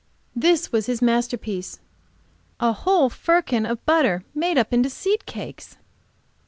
This was his masterpiece. A whole firkin of butter made up into seed cakes!